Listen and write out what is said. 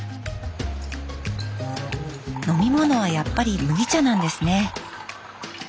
飲み物はやっぱり麦茶なんですね！